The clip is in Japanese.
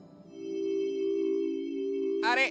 あれ？